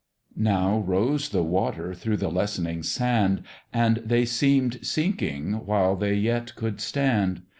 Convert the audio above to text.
Now rose the water through the lessening sand, And they seem'd sinking while they yet could stand.